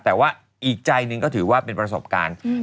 แต่ว่าอีกใจหนึ่งก็ถือว่าเป็นประสบการณ์